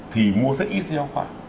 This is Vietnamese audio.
thì mua sách ít giáo khoa